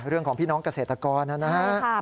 เรื่องของพี่น้องเกษตรกรนะครับ